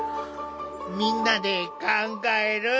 みんなで考える！